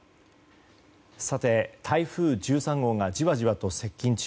さて、台風１３号がじわじわと接近中。